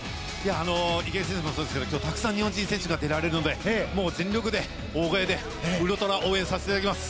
池江選手もそうですが今日、たくさん日本人選手が出られるので全力で、大声でウルトラ応援させていただきます。